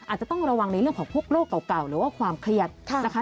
อาจจะต้องระวังในเรื่องของพวกโรคเก่าหรือว่าความเครียดนะคะ